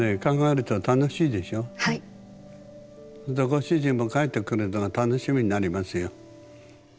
ご主人も帰ってくるのが楽しみになりますよ。